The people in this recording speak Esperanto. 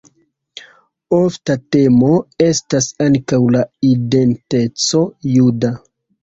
Ofta temo estas ankaŭ la identeco juda.